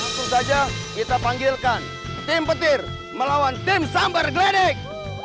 langsung saja kita panggilkan tim petir melawan tim sambar gledek